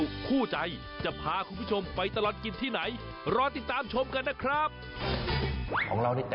ดูสิจะยังไงฉันจะไปกวนเขาอีก